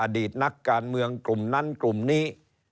อดีตนักการเมืองกลุ่มนั้นกลุ่มนี้